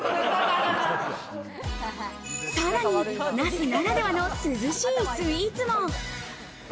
さらに那須ならではの涼しいスイーツも。